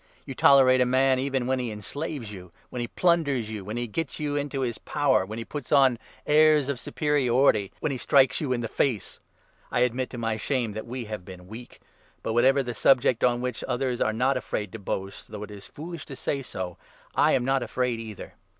You tolerate a man even when he en 20 slaves you, when he plunders you, when he gets you into his power, when he puts on airs of superiority, when he strikes you in the face ! I admit, to my shame, that we have been 21 weak. But whatever the subject on which others are not afraid to boast — though it is foolish to say so — I am not afraid either